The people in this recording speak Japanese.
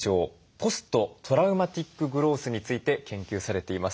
ポスト・トラウマティック・グロースについて研究されています。